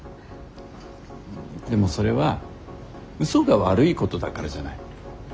でもそれは嘘が悪いことだからじゃない。